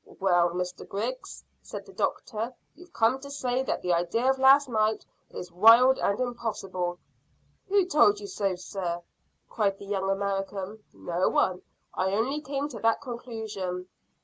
"Well, Mr Griggs," said the doctor, "you've come to say that the idea of last night is wild and impossible." "Who told you so, sir?" cried the young American. "No one. I only came to that conclusion."